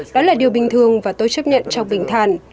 đó là điều bình thường và tôi chấp nhận trong bình thàn